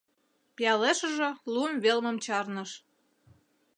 Пиалешыже, лум велмым чарныш.